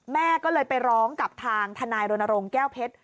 แม่ก็เลยไปร้องกับทางทนายรณรงค์แก้วเพชร